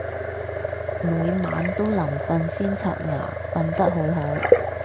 每晚都臨瞓先刷牙，瞓得好好